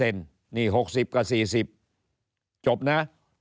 นี่๖๐กับ๔๐จบนะ